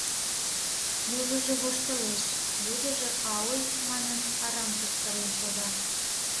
Южыжо воштылеш, южыжо, аой! манын, арам кычкырен шога.